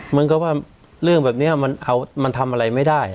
เหมือนกับว่าเรื่องแบบนี้มันทำอะไรไม่ได้